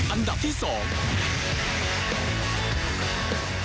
อันดับที่สอง